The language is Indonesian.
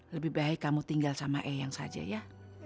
lebih baik kamu tinggal sama eyang saja ya